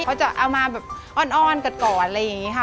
เขาจะเอามาแบบอ้อนกันก่อนอะไรอย่างนี้ค่ะ